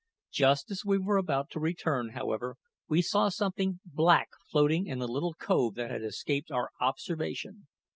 Just as we were about to return, however, we saw something black floating in a little cove that had escaped our observation.